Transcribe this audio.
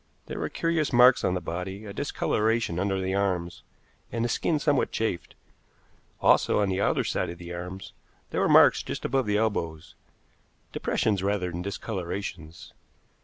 There were curious marks on the body, a discoloration under the arms, and the skin somewhat chafed. Also, on the outer side of the arms, there were marks just above the elbows depressions rather than discolorations.